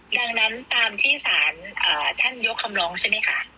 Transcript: ดังนั้นตามที่สารท่านยกคำร้องใช่ไหมคะ